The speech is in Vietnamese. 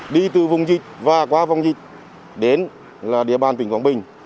đi từ vùng dịch và qua vùng dịch đến địa bàn tỉnh quảng bình